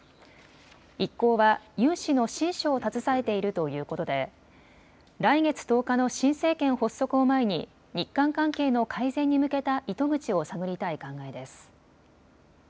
一行はユン氏の親書を携えているということで来月１０日の新政権発足を前に日韓関係の改善に向けた糸口を探りたい考えです。